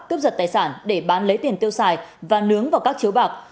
cướp giật tài sản để bán lấy tiền tiêu xài và nướng vào các chiếu bạc